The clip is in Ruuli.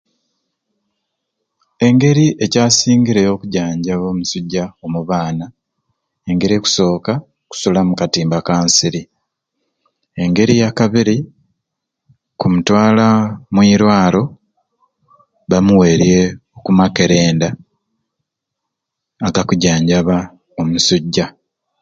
Engeri ekyasingireyo okujanjaba omusujja mu baana engeri ekusooka kusula mu katimba aka nsiri engeri yakabiri ku mutwala mwirwaro bamuweerye amakerenda agakujanjaba omusujja.